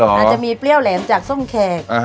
อาจจะมีเปรี้ยวแหลมจากส้มแขก